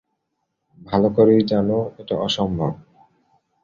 ভালো করেই জানো এটা অসম্ভব।